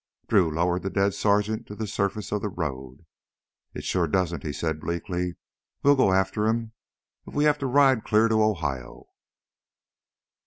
Drew lowered the dead sergeant to the surface of the road. "It sure doesn't!" he said bleakly. "We'll go after them if we have to ride clear to the Ohio!"